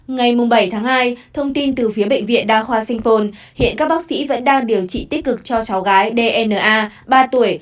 ngày bảy tháng hai thông tin từ phía bệnh viện đa khoa sinh pồn hiện các bác sĩ vẫn đang điều trị tích cực cho cháu gái dna ba tuổi